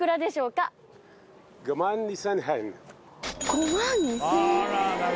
５万２０００円。